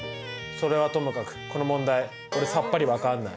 それはともかくこの問題俺さっぱり分かんない。